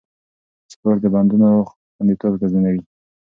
سپورت د بندونو خونديتوب تضمینوي.